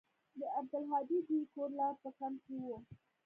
د عبدالهادي دوى کور لا په کمپ کښې و.